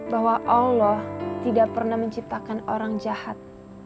bahwa allah tidak pernah menciptakan orang jahat